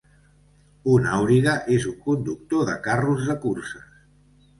Un auriga és un conductor de carros de curses.